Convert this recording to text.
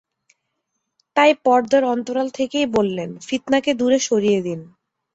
তাই পর্দার অন্তরাল থেকেই বললেন, ফিতনাকে দূরে সরিয়ে দিন।